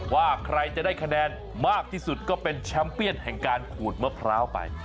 ว่าใครจะได้คะแนนมากที่สุดก็เป็นแชมป์เปียนแห่งการขูดมะพร้าวไป